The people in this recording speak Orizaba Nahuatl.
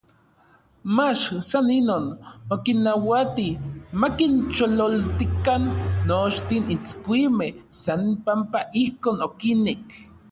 mach san inon, okinnauati makinchololtikan nochtin itskuimej san panpa ijkon okinek.